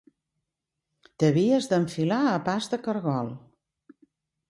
T'havies d'enfilar a pas de cargol